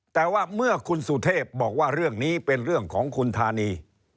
แต่ว่าเมื่อคุณสุเทพบอกว่าเรื่องนี้เป็นเรื่องของคุณธานี